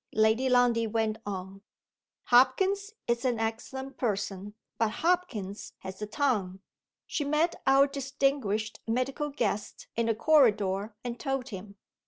Lady Lundie went on: "Hopkins is an excellent person but Hopkins has a tongue. She met our distinguished medical guest in the corridor, and told him.